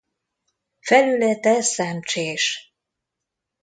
Felülete szemcsés.